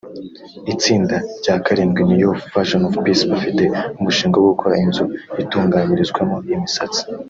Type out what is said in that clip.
Itsinda rya karindwi ni youth vision of Peace bafite umushinga wo gukora inzu itunganyirizwamo imisatsi